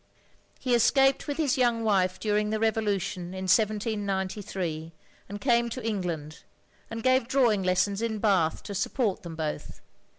He escaped with his young wife during the Revolution in 1793, and came to England; and gave drawing lessons in Bath to support them both.